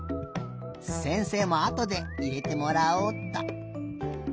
せんせいもあとでいれてもらおうっと。